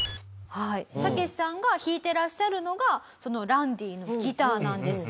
タケシさんが弾いていらっしゃるのがそのランディのギターなんですけれども。